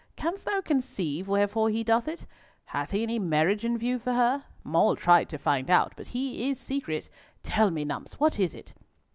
Canst thou conceive wherefore he doth it? Hath he any marriage in view for her? Mall tried to find out, but he is secret. Tell me, Numps, what is it?"